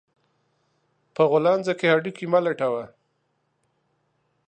په غولانځه کې هډو کى مه لټوه